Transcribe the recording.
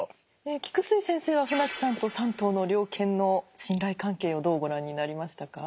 菊水先生は船木さんと３頭の猟犬の信頼関係をどうご覧になりましたか？